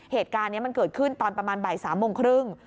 เหตุการณ์นี้มันเกิดขึ้นตอนประมาณบ่าย๓โมงครึ่ง